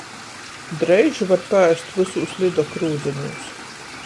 Dreiži var paēst vysūs „Lido“ krūdzeņūs.